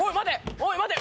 おい待て。